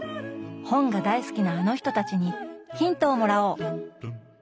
本が大好きなあの人たちにヒントをもらおう！